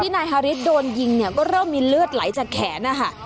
นายฮาริสโดนยิงเนี่ยก็เริ่มมีเลือดไหลจากแขนนะคะ